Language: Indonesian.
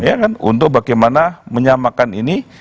ya kan untuk bagaimana menyamakan ini